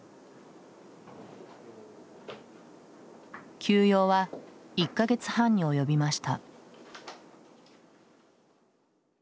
休養は１か月半に及びました。